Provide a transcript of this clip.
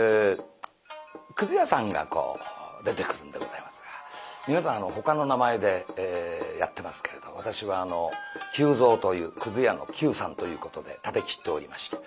くず屋さんが出てくるんでございますが皆さんほかの名前でやってますけれど私は久蔵というくず屋の久さんということでたてきっておりまして。